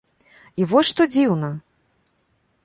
І вось што дзіўна!